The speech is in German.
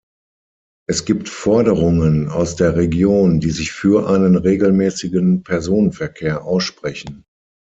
Es gibt Forderungen aus der Region, die sich für einen regelmäßigen Personenverkehr aussprechen.